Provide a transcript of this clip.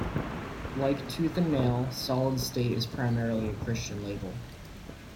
Like Tooth and Nail, Solid State is primarily a Christian label.